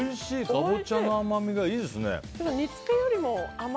カボチャの甘みがいいですね。